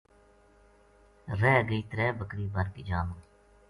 رِہ گئی ترے بکری بَر کی جا ما